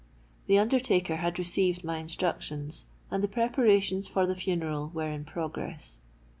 The undertaker had received my instructions, and the preparations for the funeral were in progress.